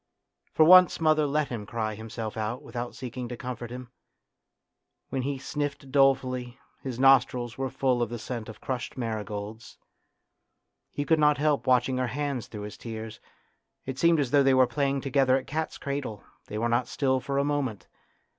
For once mother let him cry himself out without seeking to comfort him ; when he sniffed dolefully, his nostrils were full of the scent of crushed marigolds. He could not help watching her hands through his tears ; it seemed as though they were playing together at cat's cradle ; they were not still for a moment.